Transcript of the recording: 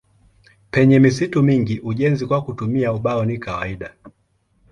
Penye misitu mingi ujenzi kwa kutumia ubao ni kawaida.